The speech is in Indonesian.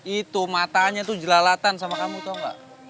itu matanya tuh jelalatan sama kamu tuh gak